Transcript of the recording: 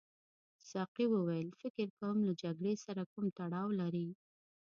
ساقي وویل فکر کوم له جګړې سره کوم تړاو لري.